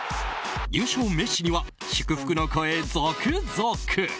優勝メッシには祝福の声、続々。